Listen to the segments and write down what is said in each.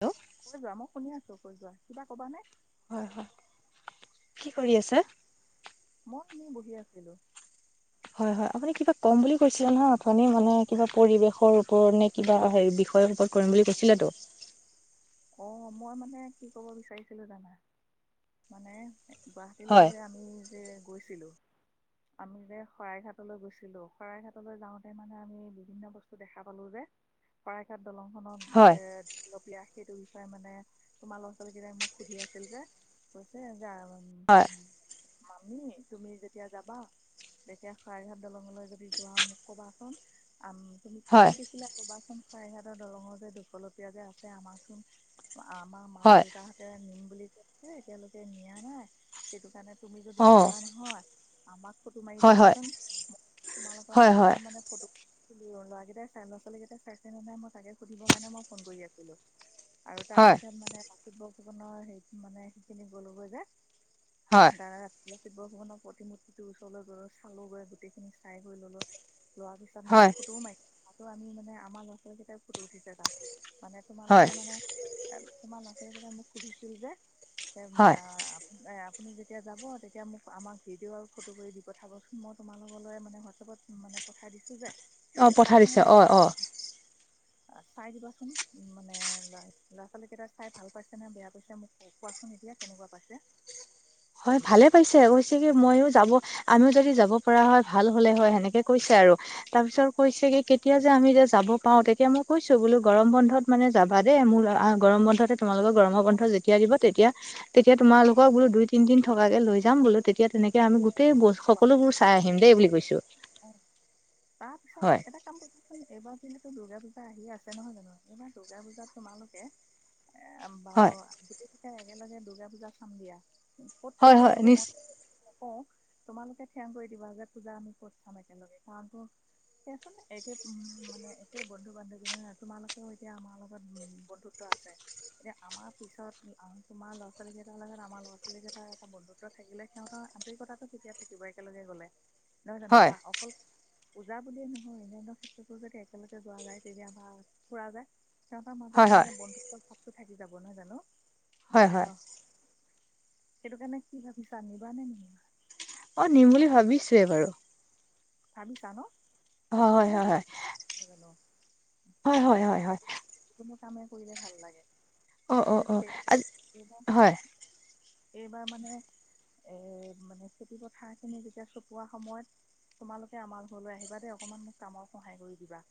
Hello! কৈ যোৱা মই শুনি আছো কৈ যোৱা, কিবা কবা নে? হয়, হয় কি কৰি আছে। মই এনে শুনি বহি আছিলো। হয়, হয়। আপুনি কিবা কম বুলি কৈছিলে নহয় অথনি মানে কিবা পৰিৱেশৰ ওপৰত নে কিবা হেৰি বিষয়ৰ ওপৰত কৰিম বুলি কৈছিলে টো। অ' মই মানে কি ক'ব বিচাৰিছিলো জানা। মানে গুৱাহাটীলৈ হয় যে আমি যে গৈছিলোঁ আমি যে শৰাইঘাটলৈ গৈছিলো, শৰাইঘাটলৈ যাওঁতে মানে আমি বিভিন্ন বস্তু দেখা পালো যে শৰাইঘাট দলংখনত যে হয় লপীয়া সেইটো বিষয়ে মানে তোমাৰ ল'ৰা ছোৱালী কেইটাই মোক সুধি আছিল যে, কৈছে যে আৰু হয়। মামি, তুমি যেতিয়া যাবা যেতিয়া শৰাইঘাট দলঙলৈ যদি যোৱা মোক কবাচোন, আম তুমি কি হয় কি দেখিলা ক'বাচোন শৰাইঘাট দলঙৰ যে দুকলপীয়া যে আছে, আমাৰচোন আমাৰ হয় মা-দেউতাহঁতে নিম বুলি কৈছে, এতিয়ালৈকে নিয়া নাই সেইটোৰ কাৰণে তুমি অ যদি যোৱা নহয় আমাক ফটো মাৰি হয় হয় দিবাচোন। তোমালোকৰ হয় হয় হোৱাটছপত মানে ফটো [inaudible] ল'ৰাকেইটাই চাই, ল-ৰা ছোৱালীকেইটাই ছাই চেনে নাই, মই তাকে সুধিবৰ কাৰণে মই ফোন কৰি আছিলো। আৰু তাৰ হয় পিছত মানে লাচিত বৰফুকনৰ হেৰিটো, মানে সেইখিনি গ'লোগৈ যে। হয়। তাৰপিছত লাচিত বৰফুকনৰ প্ৰতিমূ্তিটো ওৰলৈ গ'লো, চালোঁ গৈ গোটেইখিনি চাই বই ল'লো। লোৱাৰ পিছত মানে হয় ফটোও মাৰিছিল, তাতো আমি মানে আমাৰ ল'ৰা ছোৱালীকেইটাই ফটো উঠিছে তাত। মানে হয় তোমালোকে মানে, তোমাৰ ল'ৰা ছোৱালীকেইটাই মোক সুধিছিল যে, হেই মা হয় আ আপুনি যেতিয়া যাব, তেতিয়া মোক আমাক ভিডিঅ' আৰু ফটো কৰি দি পঠাবচোন। মই তোমালোকলৈ মানে হোৱাটছপত মানে পঠাই দিছোঁ যে, অ পঠাই চাইছে নে দিছে নাই। অ অ চাই দিবাচোন মানে, ল-ল'ৰা ছোৱালীকেইটা চাই ভাল পাইছেনে বেয়া পাইছে মোক কো-কোৱাচোন। চোন এতিয়া কেনেকুৱা পাইছে। হয় ভালে পাইছে, কৈছে কি মইও যাব আমিও যদি যাব পৰা হয় ভাল হলে হয়, সেনে নেকে কৈছে আৰু। তাৰ পিছত কৈছে অঁ কি কেতিয়া যে আমি যে যাব পাওঁ তেতিয়া মই কৈছো বোলো গৰম বন্ধত মানে যাবা দেই, মোৰ আ গৰম বন্ধত তোমালোকৰ গৰমৰ অঁ বন্ধ যেতিয়া দিব, তেতিয়া তেতিয়া তোমালোকক বোলো দুই তিনি দিন থকাকৈ লৈ যাম বোলো তেতি এতিয়া তেনেকে আমি গোটেই ব, সকলোবোৰ চাই আহিম দেই বুলি কৈছো। অ' তাৰ হয় পিছত এটা কাম কৰিব চোন, এইবাৰ যিহেতু দুৰ্গা পূজা আহি আছে নহয় জানো। এইবাৰ দুৰ্গা পূজাত তোমালোকে এ বাৰু হয় গোটেই কেইটা একেলগে দূৰ্গা পূজা চাম দিয়া। ক'ত হয় চোৱা হয় নিচ ম-মই নকওঁ, তোমালোকে থিৰাং কৰি দিবা যে পূজা আমি ক'ত চাম একেলগে, কাৰণ তোৰ সেইয়ে চোন একেই, উম। মানে একে বন্ধু বান্ধৱী না তোমালোকেও এতিয়া আমাৰ লগত উম বন্ধু ত্ব আছে। এতিয়া আমাৰ পিছত তোমাৰ ল'ৰা ছোৱালীকেইটাৰ লগত আমাৰ ল'ৰা ছোৱালীকেইটাৰ এটা বন্ধুত্ব থাকিলে সিহঁতৰ আন্তৰিকতাটো ঠিকেই থাকিব একেলগে গ'লে। নহয় জানো? হয় বা অকল পূজা বুলিয়েই নহয় অন্যান্য ক্ষেত্ৰতো যদি একেলগে যোৱা যায়, তেতিয়া আমাৰ ফুৰা যায় সিহঁতৰ হয় মাজত হয় মানে বন্ধুত্ব চাপটো থাকি যাব নহয় জানো? হয় মানে হয় সেইটো কাৰণে কি ভাবিছা নিবা নে নিনিবা? অ' নিম বুলি ভাবিছোয়ে বাৰু। ভাবিছা ন? হয় হয় ভাবিলে হয় হয় মানে হয় হয় হয় হয় হয় কোনো কামেই কৰিলে ভাল লাগে। অ অ অকল অ সেই আজি হয় এইবাৰ মানে, এই মানে খেতি পথাৰখিনি যেতিয়া চপোৱা সময়ত তোমালোকে আমাৰ ঘৰলৈ আহিবা দেই, অকণমান মোক কামৰ সহায় কৰি দিবা।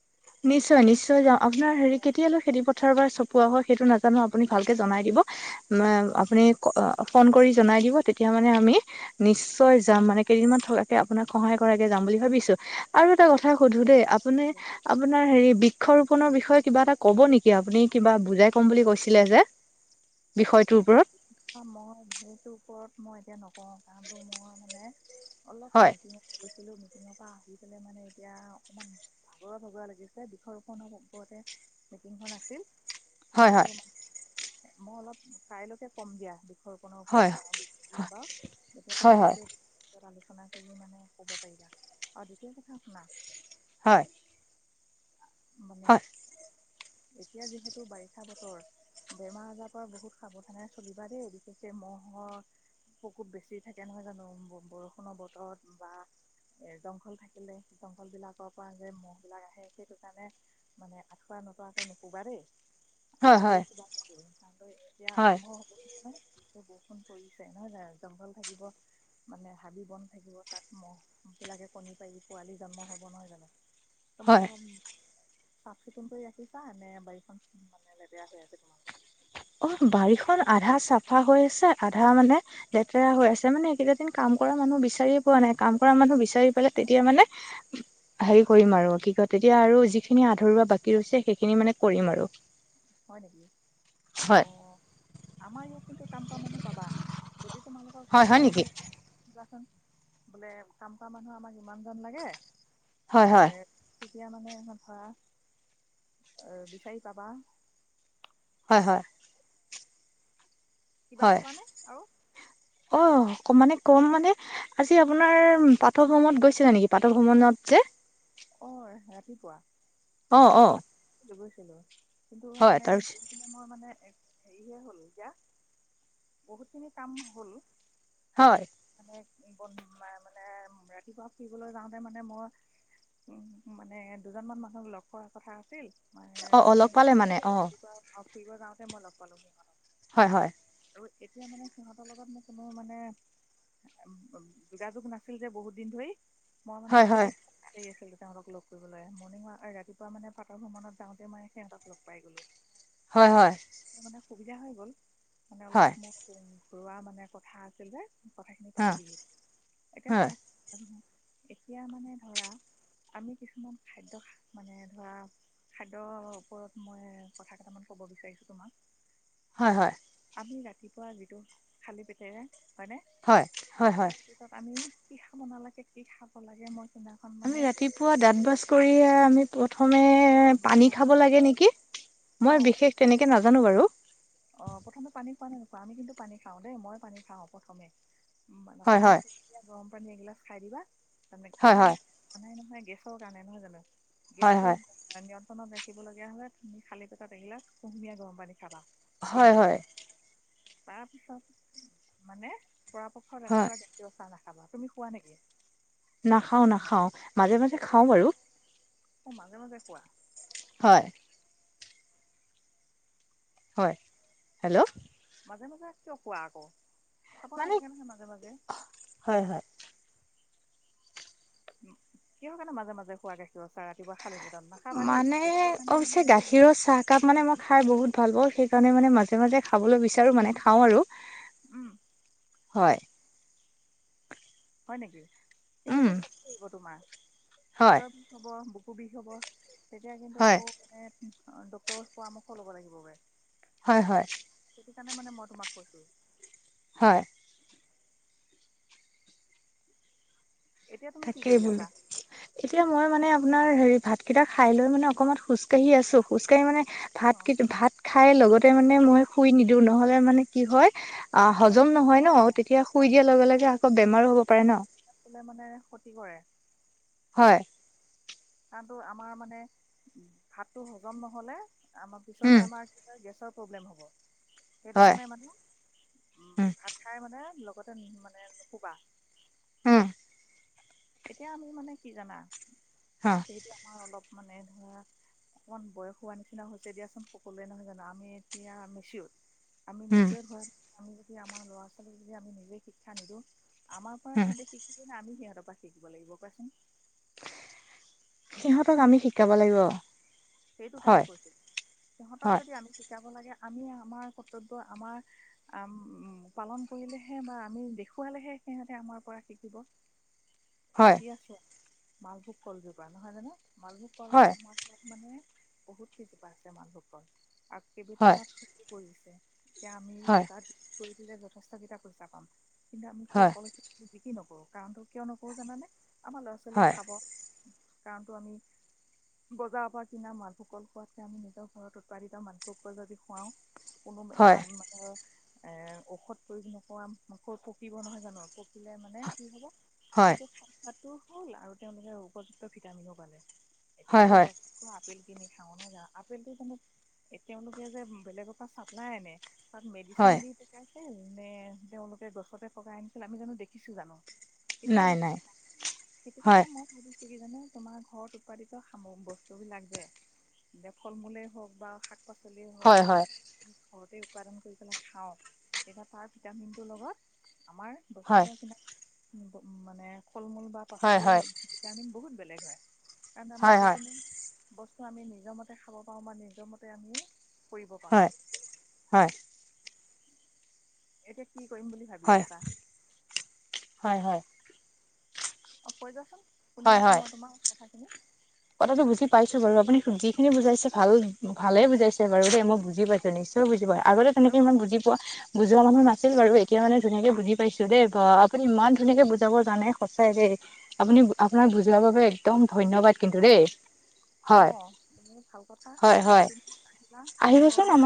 নিশ্চয় নিশ্চয় যাম। আপোনাৰ হেৰি অ কেতিয়ালৈ খেতি পথাৰ বা চপোৱা হয় সেইটো নাজানো আপুনি ভালকে জনাই দিব। অ আপুনি ফোন কৰি জনাই দিব, তেতিয়া মানে আমি নিশ্চয় যাম। চাওঁ মানে কৰিবি, কেইদিনমান থকাকে আপোনাক সহায় কৰাকে যাম বুলি ভাবিছো। আৰু এটা কথা সোধো দেই চাওঁ আপুনি কৰিবি, আপোনাৰ হেৰি বৃক্ষৰোপনৰ বিষয়ে কিবা এটা ক'ব নেকি আপুনি? কিবা বুজাই ক'ম বুলি কৈছিলে যে [unintelligible] বিষয়টোৰ ওপৰত? মই সেইটোৰ ওপৰত মই এতিয়া নকওঁ। কাৰণটো মই মানে অলপ হয় মিটিং গৈছিলো, মিটিঙৰ পৰা আহি পেলাই মানে এতিয়া অকণমান ভাগৰুৱা ভগৰুৱা লাগি আছে, বৃক্ষৰোপণৰ ওপৰতে মিটিংখন আছিল। হয় কিন্তু হয় মই অলপ কাইলৈকে ক'ম দিয়া। ঘৰখনৰ হয় ওপৰত দিম বাৰু, এতিয়া হয় হয় তোমালোকেও আলোচনা কৰি মানে ক'ব পাৰিবা। আৰু দ্বিতীয় কথা, শুনা হয়। মানে হয় এতিয়া যিহেতু বাৰিষা বতৰ, বেমাৰ আজাৰৰ পৰা বহুত সাৱধানে চলিবা দেই, বিশেষকে মহ'ৰ বহুত বেছি থাকে নহয় জানো, বৰষুণৰ বতৰত বা এ জংঘল থাকিলে, জংঘল বিলাকৰ পৰা যে মহ বিলাক আহে। সেইটো কাৰণে মানে আঁঠুৱা নতৰাকে নোশুবা দেই। হয় আঠুৱা হয় তৰি শুবা কিন্তু। কাৰণ এতিয়া হয় আৰম্ভ হ'ব নহয়। বৰষুণ পৰিছে নহয় জানো, জংঘল থাকিব মানে হাবি বন থাকিব, তাত মহ বিলাকে কণী পাৰি পোৱালি জন্ম হ'ব নহয় জানো। হয় তোমালোকৰ চাফ চিকুণ কৰি ৰাখিছা নে বাৰীখন মানে লেতেৰা হৈ আছে? অ' বাৰীখন আধা চাফা হৈ আছে আধা মানে লেতেৰা হৈ আছে। মানে এই কেইটা দিন কাম কৰা মানুহ বিচাৰিয়ে পোৱা নাই, কাম কৰা মানুহ বিচাৰি পেলাই তেতিয়া মানে হেৰি কৰিম আৰু কি কয় তেতিয়া আৰু যিখিনি আধৰুৱা বাকী ৰৈছে সেইখিনি মানে কৰিম আৰু। হয় নেকি? হয়। অ' আমাৰ ইয়াত কিন্তু কাম কৰা মানুহ পাবা। যদি তোমালোকক হয়, কাম হয় কৰা নেকি? মানুহ লাগে কবাচোন, বোলে কাম কৰা মানুহ আমাক ইমানজন লাগে হয়, এ হয়, তেতিয়া মানে ধৰা বিচাৰি পাবা। হয় হয়। কিবা হয়, কবা নে আৰু? অ' কম মানে কম মানে আজি আপোনাৰ পাটভ্ৰমণত গৈছিলা নেকি, পাটভ্ৰমণত যে? অঁ' ৰাতিপুৱা। অ' অ'। গৈছিলো কিন্তু হয়, মানে তাৰপিছত ম‌ই মানে হেৰিহে হ'ল এতিয়া বহুতখিনি কাম হ'ল। হয়। মানে মানে ৰাতিপুৱা ফুৰিবলৈ যাওঁতে মানে মই উমঁ' মানে দুজনমান মানুহক লগ পোৱা কথা আছিল অ', অ', লগ ম-মৰ্ণিং পালে মানে অ', ৰাতিপুৱা ফুৰিব যাওঁতে মই লগ পালোঁ সিহঁতক। হয় হয়। আৰু এতিয়া মানে সিহঁতৰ লগত মোক কোনো মানে যোগাযোগ নাছিল যে বহুত দিন ধৰি- মই মানে হয়, বহুত হয়, দিন বিচাৰি আছিলোঁ তেওঁসোহঁক লগ কৰিবলৈ, মৰ্ণিং ৱাক আ' ৰাতি পোৱা মানে পাটৰ ভ্ৰমণত যাওঁতে মই সিহঁতক লগ পাই গলোঁ। হয়, হয়, মোৰ মানে সুবিধা হৈ গ'ল। মানে হয়, অলপ মোক ঘূৰুৱা মানে কথা আছিল যে। কথাখিনি অ', হয়, পাতি দিলো। এতিয়া হয়, শুনক [unintelligible] এতিয়া মানে ধৰা আমি কিছুমান খাদ্য মানে- ধৰা খাদ্যৰ ওপৰত মই কথা কেইটামান ক'ব বিচাৰিছো তোমাক। হয় হয়। আমি ৰাতিপুৱা যিটো খালী পেটেৰে হয়নে। হয়, হয়, হয়। তাৰপিছত আমি কি খাব নালাগে কি খাব লাগে মই- সেইদিনাখন আমি মানে ৰাতিপুৱা দাঁত বাছ কৰিয়ে আমি প্ৰথমে- পানী খাব লাগে নেকি। মই অঁ বিশেষ তেনেকে নাজানো বাৰু। অঁ' প্ৰথমে পানী খোৱা নাই নোখোৱা। আমি কিন্তু পানী খাওঁ দেই মই পানী খাওঁ প্ৰথমে। হয় অকণমান হয় কুহুমিয়া গৰম পানী এগিলাচ খাই দিবা তাৰমানে হয় কিহৰ হয় কাৰণে- কানাই নহয় গেছৰ কাৰণে নহয় জানোঁ। হয় হয় গেছটো- নিয়ন্ত্ৰণত ৰাখিব লগীয়া হ'লে তুমি খালি পেটত এগিলাচ কুহুমীয়া গৰম পানী খাবা। হয় দিনটোলৈ। হয় তাৰপিছত মানে পৰাপক্ষত হয় ৰাতিপুৱা কেতিয়াও চাহ নাখাবা। তুমি খোৱা নেকি? নাখাওঁ নাখাওঁ, মাজে মাজে খাওঁ বাৰু। অঁ' মাজে মাজে খোৱা? হয়। হয়, হেল্ল'। মাজে মাজে কিয় খোৱা আকৌ, খাব মানে নালাগে নহয় মাজে মাজে। হয় হয়। কিহৰ কাৰণে মাজে মাজে খোৱা গাখীৰৰ চাহ ৰাতিপুৱা খালি পেটত মা মানে অৱশ্যে গাখীৰৰ চাহ কাপ মানে মই খাই বহুত ভাল পাওঁ। সেইকাৰণে মানে মাজে মাজে খাবলৈ বিচাৰো মানে খাওঁ আৰু। উমঁ। হয়। হয় নেকি কিন্তু উম এইটো শক্তি আহিব তোমাৰ, পেট হয় হ'ব বুকু বিষ হ'ব তেতিয়া কিন্তু হয় আকৌ এ ডক্টৰৰ পৰামৰ্শ ল'ব লাগিব [unintelligible] হয়, হয়। সেইটো কাৰণে মানে মই তোমাক কৈছোঁ। হয়। এতিয়া তুমি কি তাকেই কৰি আছা বোলো। এতিয়া মই মানে আপোনাৰ হেৰি ভাতকিটা খাই লৈ মানে অকণমান খোজ কাঢ়ি আছোঁ খোজ কাঢ়ি মানে অ ভাত কি ভাত খাই লগতে মানে মই শুই নিদিওঁ নহ'লে মানে কি হয় অ', হজম নুশু নহয় অ ন? তেতিয়া শুই দিয়াৰ লগে লগে আকৌ বেমাৰো হ'ব পাৰে ন? আপোনাৰ মানে ক্ষতি কৰে। হয়। কাৰণতো আমাৰ মানে উম, ভাতটো হজম নহ'লে আমাৰ পিছলে উম আমাৰ কি হয়, গেছৰ প্ৰব্লেম হ'ব সেইটো হয় কাৰণে মানে উম, উম ভাত খাই মানে লগতে মানে নুশুবা। উম। এতিয়া আমি মানে কি জানা? হা সেইটো আমাৰ অলপ মানে ধৰা অকমান বয়স হোৱা নিচিনা হৈছে দিয়াচোন সকলোৱে নহয় জানোঁ আমি এতিয়া মেচিঅ'দ আমি উম মেচিঅ'দ হোৱা আমি যদি আমাৰ ল'ৰা ছোৱালীক যদি আমি নিজেই শিক্ষা নিদিওঁ আমাৰ পৰা উম সিহঁতে শিকিব নে আমি সিহঁতৰ পৰা শিকিব লাগিব কোৱাচোন। সিহঁতক আমি শিকাব লাগিব। সেইটো কাৰণে হয় কৈছোঁ, সিহঁতক হয় যদি আমি শিকাব লাগে আমি আমাৰ কৰ্তব্য আমাৰ উম, পালন কৰিলেহে বা আমি দেখুৱালেহে সিহঁতে আমাৰ পৰা শিকিব। হয় এতিয়া চোৱা মালভোগ কলজোপা নহয় জানোঁ মালভোগ কল হয় আমাৰ ইয়াত মানে বহুত কিজোপা আছে মালভোগ কল আৰু হয় [unintelligible] পৰিছে। এতিয়া আমি হয় বজাৰত বিকি কৰি দিলে যথেষ্ট কিটা পইচা পাম কিন্তু আমি সেই হয় কল বিক্ৰী নকৰোঁ কাৰণটো কিয় নকৰোঁ জানানে? আমাৰ ল'ৰা ছোৱালীয়ে হয় খাব কাৰণটো আমি বজাৰৰ পা কিনা মালভোগ কল খোৱাতকে আমি নিজৰ ঘৰত উৎপাদিত মালভোগ কল যদি খুৱাওঁ কোনো হয় তাত এ ঔষধ প্ৰয়োগ নকৰা কল পকিব নহয় জানোঁ পক পকিলে মানে কি হ'ব হয় সেইটো খাই হ'ল আৰু তেওঁলোকে উপযুক্ত ভিটামিনো পালে এতিয়া হয় আমি হয় ব ত' আপেল কিনি খাওঁ নহয় জানোঁ আপেলটো জানোঁ এ, তেওঁলোকে যে, বেলেগৰ পৰা চাপ্লাই আনে তাত হয় মেডিচিন দি পকাইছেনে তেওঁলোকে গছতে পকাই আনিছিল আমি জানোঁ দেখিছোঁ জানোঁ? কেতিয়াও নাই দেখা নাই নাপাওঁ সেইটো হয় কাৰণে মই ভাবিছোঁ কি জানে তোমাৰ ঘৰত উৎপাদিত সামগ্ৰী বচ বস্তুবিলাক যে, এয়া ফল মূলেই হওঁক বা শাক পাচলিয়েই হওঁক হয় বা হয় ঘৰতে উৎপাদন কৰি পেলাই খাওঁ তেতিয়া তাৰ ভিটামিনটোৰ লগত আমাৰ বজাৰ হয় পৰা কিনা ম-মানে ফল মূল বা হয় পাচলি হয় ভিটামিন বহুত বেলেগ হয়, কাৰণ আমি হয় যিকোনো বস্তু আমি নিজৰ মতে খাব পাৰোঁ বা নিজৰ মতে আমি কৰিব হয় পাৰোঁ। হয়। এতিয়া কি কৰিম বুলি ভাবি হয়, আছা হয় হয়। অঁ কৈ যোৱাচোন হয় শুনি আছোঁ হয় মই তোমাৰ কথাখিনি। কথাটো বুজি পাইছো বাৰু আপুনি যিখিনি বুজাইছে ভাল ভালে বুজাইছে বাৰু দেই, মই বুজি পাইছো নিশ্চয় য় বুজি পোৱা, আগতে আৰু তেনেকে ইমান বুজি পোৱা বুজোৱা মানুহ নাছিল বাৰু এতিয়া মানে ধুনীয়াকে বুজি পাইছো দেই বা আপুনি ইমান ধুনীয়াকে বুজাব জানে সঁচাই দেই। আপুনি আপোনাক বুজোৱাৰ বাবে একদম ধন্যবাদ কিন্তু দেই। হয় অঁ এনেই ভাল কথা হয় হয় তুমি আহিবা আমাৰ ঘৰলৈ।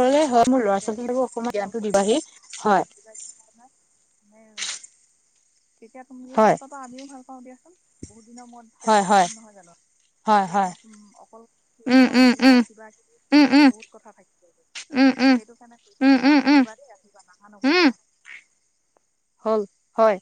তুমি আৰু হয় মোৰ ল'ৰা পাতিলে ছোৱালীকো অকমান তেতিয়া জ্ঞানটো ওচৰত দিবাহি হয় [unintelligible] [unintelligible] তেতিয়া তুমিও হয় ভাল পাবা, আমিও ভাল পাওঁ দিয়াচোন। বহুত দিনৰ মূৰত এতিয়া হয় ল'গ হয় পাম নহয় জানো? হয় এতিয়া হয় উম অকল উম ফল উম মূল বা উম কিবা কিবি উম নহয় ন' উম বহুত কথা থাকে। উম উম সেইটো কাৰণে কৈছো উম উম তোমাক উম আহিবা দেই আহিবা নাহা উম নকৰিবা। হ'ল হয়।